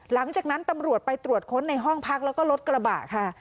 หลังจากนั้นตำรวจไปตรวจค้นในห้องพักแล้วก็รถกระบะค่ะ